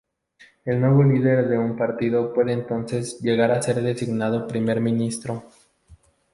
El nuevo líder de un partido puede entonces llegar a ser designado primer ministro.